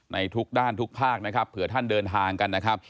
ทุกด้านทุกภาคนะครับเผื่อท่านเดินทางกันนะครับ